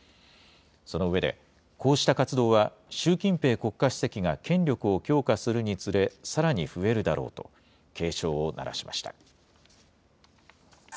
その上で、こうした活動は、習近平国家主席が権力を強化するにつれ、さらに増えるだろうと、警鐘を鳴らしました。